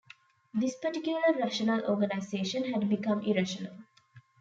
This particular rational organisation had become irrational.